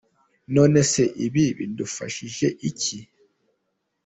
None se ibi bidufashije iki ?.